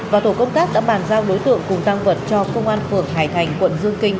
và tổ công tác đã bàn giao đối tượng cùng tăng vật cho công an phường hải thành quận dương kinh